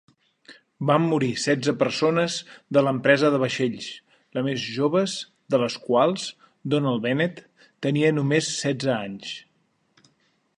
Van morir setze persones de l'empresa de vaixells, la més joves de les quals, Donald Bennett, tenia només setze anys.